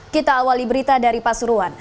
kita awali berita dari pasuruan